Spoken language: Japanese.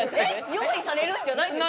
用意されるんじゃないんですか？